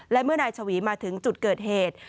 และเมื่อนายชวีมาถึงจุดเกิดเหตุ